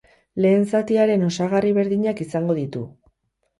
Lehen zatiaren osagarri berdinak izango ditu.